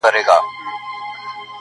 شمع هر څه ویني راز په زړه لري-